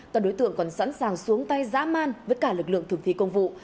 toàn đối tượng còn sẵn sàng xuống tay giã man với cả lực lượng thực thi công vụ